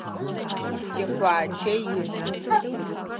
Тикъуаджэ ины.